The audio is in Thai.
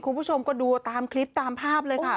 คุณผู้ชมก็ดูตามคลิปตามภาพเลยค่ะ